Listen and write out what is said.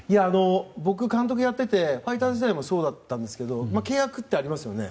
僕、監督をやっていてファイターズ時代もそうだったんですが契約ってありますよね。